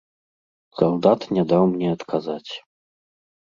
Салдат не даў мне адказаць.